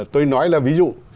tôi nói là ví dụ